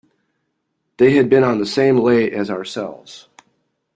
They had been on the same lay as ourselves.